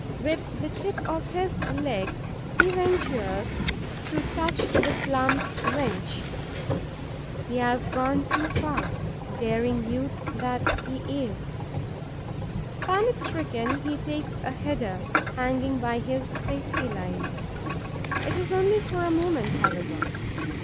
With the tip of his leg, he ventures to touch the plump wench. He has gone too far, daring youth that he is! Panic stricken, he takes a header, hanging by his safety line. It is only for a moment, however.